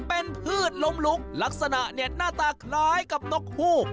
เป็นพืชล้มลุกลักษณะเนี่ยหน้าตาคล้ายกับนกฮูก